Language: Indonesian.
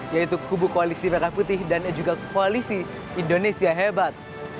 yaitu kubu koalisi merah putih dan juga koalisi indonesia hebat